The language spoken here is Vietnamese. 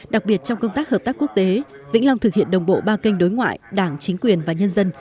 đặc biệt trong công tác hợp tác quốc tế vĩnh long thực hiện đồng bộ ba kênh đối ngoại đảng chính quyền và nhân dân